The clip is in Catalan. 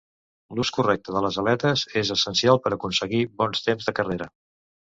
L'ús correcte de les aletes és essencial per aconseguir bons temps de carrera.